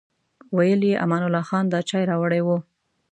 ویل یې امان الله خان دا چای راوړی و.